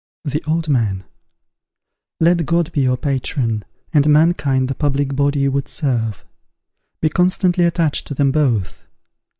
The Old Man. Let God be your patron, and mankind the public body you would serve. Be constantly attached to them both.